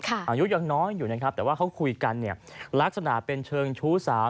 อายุยังน้อยอยู่นะครับแต่ว่าเขาคุยกันเนี่ยลักษณะเป็นเชิงชู้สาว